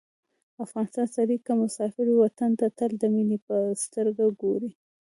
د افغان سړی که مسافر وي، وطن ته تل د مینې په سترګه ګوري.